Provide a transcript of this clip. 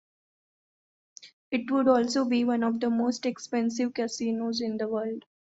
It would also be one of the most expensive casinos in the world.